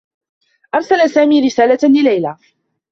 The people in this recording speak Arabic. أرسل سامي رسالة لليلى.